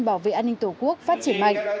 bảo vệ an ninh tổ quốc phát triển mạnh